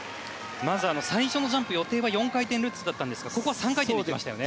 まず最初のジャンプ、予定は４回転ルッツだったんですが３回転でいきましたね。